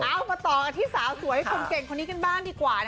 เอามาต่อกันที่สาวสวยคนเก่งคนนี้กันบ้างดีกว่า